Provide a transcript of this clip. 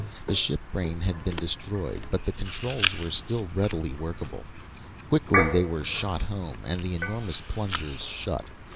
The ship brain had been destroyed, but the controls were still readily workable. Quickly they were shot home, and the enormous plungers shut.